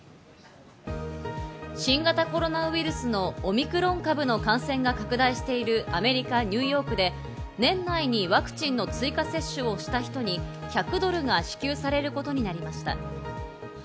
新型コロナウイルスのオミクロン株の感染が拡大しているアメリカ・ニューヨークで、年内にワクチンの追加接種をした人に１００ドルが支給されることになりました。